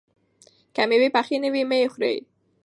که مېوې پخې نه وي، مه یې خورئ.